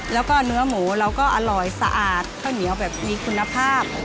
แล้วก็เนื้อหมูเราก็อร่อยสะอาดข้าวเหนียวแบบมีคุณภาพ